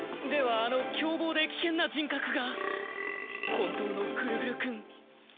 あの凶暴で危険な人格が本当のグルグルくん。